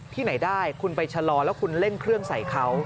ที่ไหนได้คุณไปชะลอแล้วคุณเร่งเครื่องใส่เขา